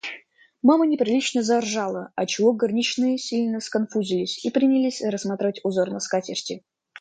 Мама неприлично заржала, отчего горничные сильно сконфузились и принялись рассматривать узор на скатерти.